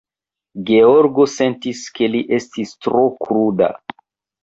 Georgo sentis, ke li estis tro kruda.